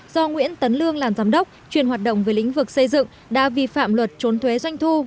do nguyễn tấn lương làm giám đốc chuyên hoạt động về lĩnh vực xây dựng đã vi phạm luật trốn thuế doanh thu